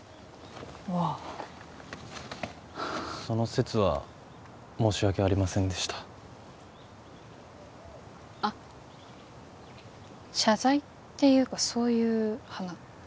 その節は申し訳ありませんでしたあっ謝罪っていうかそういう花？